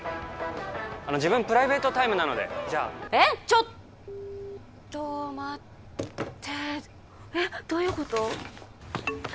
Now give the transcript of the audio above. あの自分プライベートタイムなのでじゃえっちょっと待ってえっどういうこと？